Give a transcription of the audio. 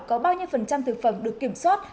có bao nhiêu phần trăm thực phẩm được kiểm soát